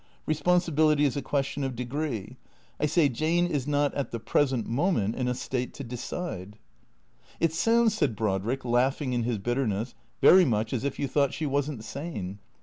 Ee sponsibility is a question of degree. I say Jane is not at the present moment in a state to decide." " It sounds," said Brodrick, laughing in his bitterness, " very much as if you thought she was n't sane.